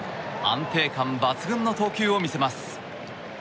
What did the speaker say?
安定感抜群の投球を見せます。